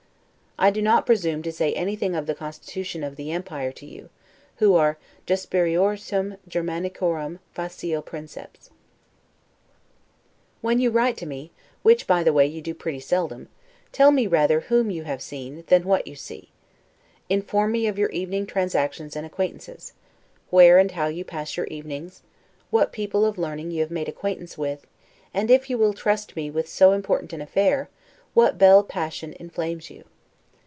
I do not presume to say anything of the constitution of the empire to you, who are 'jurisperitorum Germanicorum facile princeps'. When you write to me, which, by the way, you do pretty seldom, tell me rather whom you see, than what you see. Inform me of your evening transactions and acquaintances; where, and how you pass your evenings; what people of learning you have made acquaintance with; and, if you will trust me with so important an affair, what belle passion inflames you.